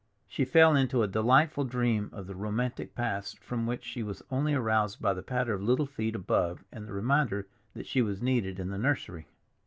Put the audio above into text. She fell into a delightful dream of the romantic past, from which she was only aroused by the patter of little feet above and the reminder that she was needed in the nursery.